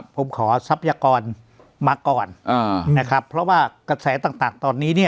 ผมขอทรัพยากรมาก่อนนะครับเพราะว่ากระแสต่างตอนนี้เนี่ย